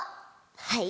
はい。